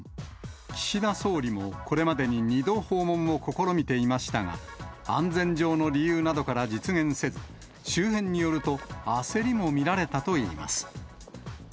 岸田総理もこれまでに２度訪問を試みていましたが、安全上の理由などから実現せず、周辺によると、焦りも見られたといいます。